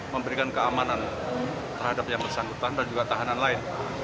memberikan keamanan terhadap yang bersangkutan dan juga tahanan lain